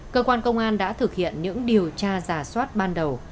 cơ quan công an đã thực hiện những điều tra giả soát ban đầu